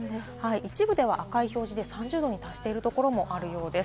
一部では赤い表示で３０度に達しているところもあるようです。